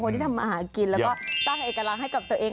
ที่ทำอาหารกินแล้วก็สร้างเอกลักษณ์ให้กับตัวเอง